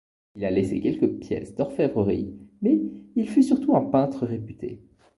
Il a laissé quelques pièces d'orfèvrerie, mais il fut surtout un peintre réputé.